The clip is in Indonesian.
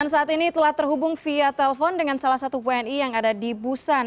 dan saat ini telah terhubung via telpon dengan salah satu pni yang ada di busan